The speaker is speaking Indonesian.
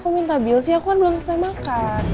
kok minta bil sih aku kan belum selesai makan